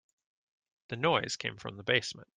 The noise came from the basement.